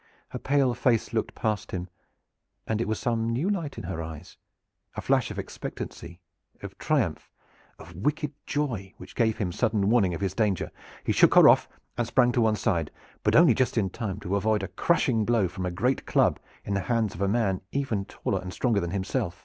Her pale face looked past him, and it was some new light in her eyes, a flash of expectancy, of triumph, of wicked joy, which gave him sudden warning of his danger. He shook her off and sprang to one side, but only just in time to avoid a crashing blow from a great club in the hands of a man even taller and stronger than himself.